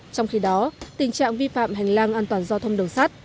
trong khi đó tình trạng vi phạm hành lang an toàn giao thông đường sắt